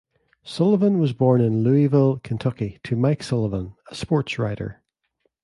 Sullivan was born in Louisville, Kentucky to Mike Sullivan, a sportswriter.